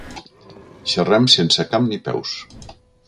Xerrem sense cap ni peus.